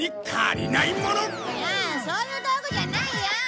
いやそういう道具じゃないよ。